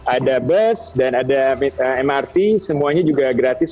ada bus dan ada mrt semuanya juga gratis